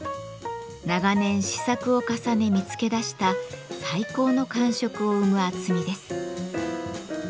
長年試作を重ね見つけ出した最高の感触を生む厚みです。